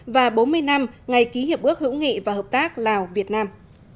và bốn mươi năm ngày ký hiệp ước hữu nghị và hợp tác lào việt nam